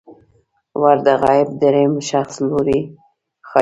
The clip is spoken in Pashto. ور د غایب دریم شخص لوری ښيي.